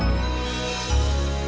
aku akan menghentikannya